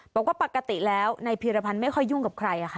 บอกว่าปกติแล้วนายเพียรพันธ์ไม่ค่อยยุ่งกับใครอะค่ะ